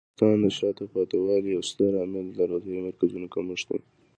د افغانستان د شاته پاتې والي یو ستر عامل د روغتیايي مرکزونو کمښت دی.